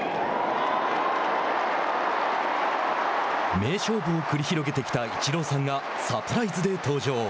名勝負を繰り広げてきたイチローさんがサプライズで登場。